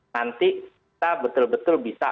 nanti kita betul betul bisa